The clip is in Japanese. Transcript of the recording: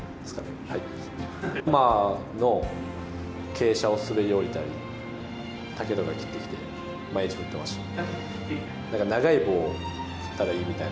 山の傾斜を滑り降りたり、竹とか切ってきて、毎日振ってました。